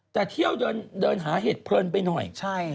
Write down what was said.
แต่เที่ยวเดินหาเห็ดเพลินไปหน่อย